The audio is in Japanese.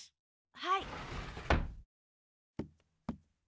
はい。